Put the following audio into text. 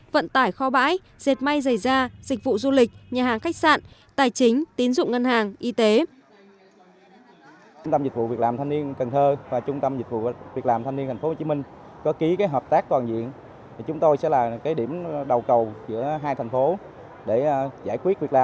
vận tải kho bãi dệt may dày da dịch vụ du lịch nhà hàng khách sạn tài chính tín dụng ngân hàng y tế